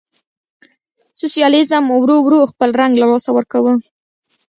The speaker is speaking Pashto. سوسیالیزم ورو ورو خپل رنګ له لاسه ورکاوه.